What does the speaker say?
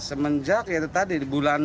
semenjak ya itu tadi bulan